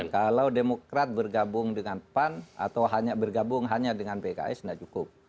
kalau demokrat bergabung dengan pan atau hanya bergabung hanya dengan pks tidak cukup